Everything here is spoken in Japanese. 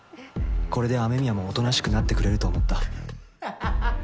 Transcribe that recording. これで雨宮もおとなしくなってくれると思った。